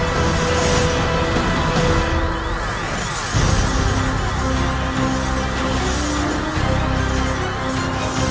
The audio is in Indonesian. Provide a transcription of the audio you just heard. kemudian memilih suku sang patung